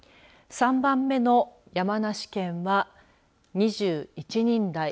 ３番目の山梨県は２１人台。